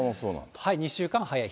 ２週間早い。